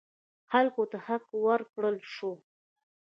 خلکو ته حق ورکړل شو.